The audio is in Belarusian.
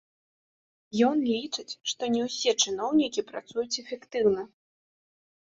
Ён лічыць, што не ўсе чыноўнікі працуюць эфектыўна.